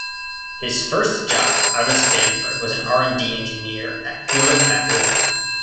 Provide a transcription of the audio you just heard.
His first job out of Stanford was an R and D engineer at Hewlett-Packard.